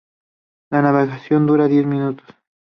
La navegación dura diez minutos.